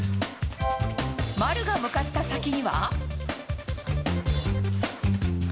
丸が向かった先には。